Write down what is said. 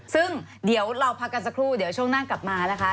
ซึ่งเดี๋ยวเราพักกันสักครู่เดี๋ยวช่วงหน้ากลับมานะคะ